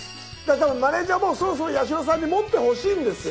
多分マネージャーもそろそろ八代さんに持ってほしいんですよ。